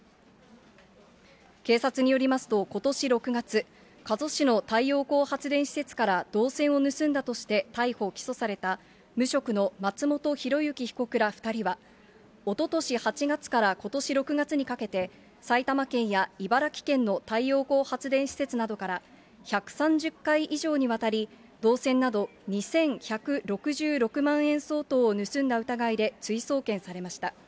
警察によりますと、ことし６月、加須市の太陽光発電施設から銅線を盗んだとして逮捕・起訴された、無職の松本ひろゆき被告ら２人は、おととし８月からことし６月にかけて、埼玉県や茨城県の太陽光発電施設などから１３０回以上にわたり、銅線など２１６６万円相当を盗んだ疑いで追送検されました。